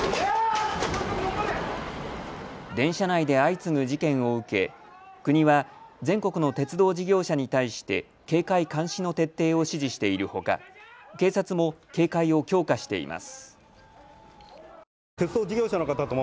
電車内で相次ぐ事件を受け国は、全国の鉄道事業者に対して警戒監視の徹底を指示しているほか警察も警戒を強化しています。